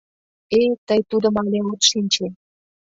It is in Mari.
— Э, тый тудым але от шинче.